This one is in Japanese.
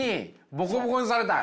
ボコボコにされたい。